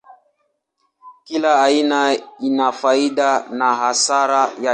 Kila aina ina faida na hasara yake.